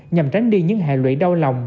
nhằm tránh đi những hại lụy đau lòng